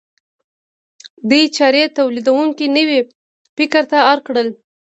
دې چارې تولیدونکي نوي فکر ته اړ کړل.